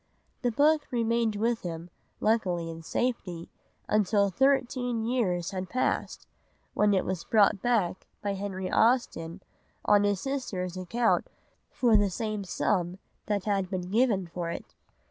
The book remained with him, luckily in safety, until thirteen years had passed, when it was bought back by Henry Austen on his sister's account for the same sum that had been given for it.